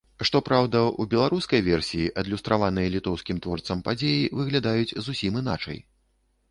Што праўда, у беларускай версіі адлюстраваныя літоўскім творцам падзеі выглядаюць зусім іначай.